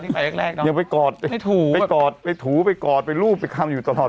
เดี๋ยวนั้นไปแรกเนอะไม่ถูกไปกอดไปรูปไปคำอยู่ตลอด